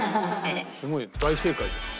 すごい大正解だよ。